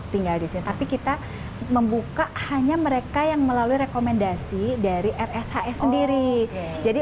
tinggal di sini tapi kita membuka hanya mereka yang melalui rekomendasi dari rshs sendiri jadi